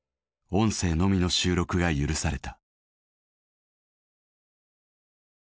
音声のみの収録が許された。